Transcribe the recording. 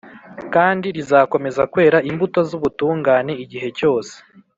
kandi rizakomeza kwera imbuto z’ubutungane igihe cyose